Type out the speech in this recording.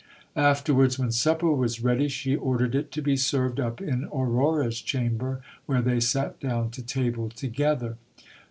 Afterwards, when supper was ready, she ordered it to be served up in Aurora's chamber, where they sat down to table together.